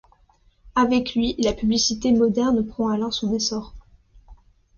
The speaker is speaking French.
Avec lui, la publicité moderne prend alors son essor.